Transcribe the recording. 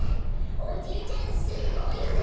おじいちゃんすごいぞ！